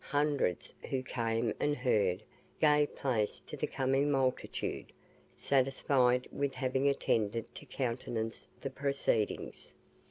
Hundreds, who came and heard, gave place to the coming multitude, satisfied with having attended to countenance the proceedings.